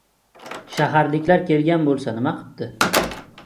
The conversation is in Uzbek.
Shaharliklar kelgan boʻlsa nima qipti?!